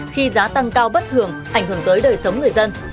khi giá tăng cao bất thường ảnh hưởng tới đời sống người dân